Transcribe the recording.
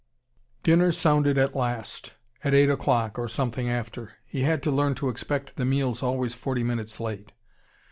Dinner sounded at last at eight o'clock, or something after. He had to learn to expect the meals always forty minutes late.